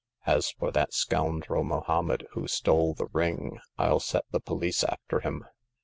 As for that scoundrel Mohommed who stole the ring, I'll set the police after him.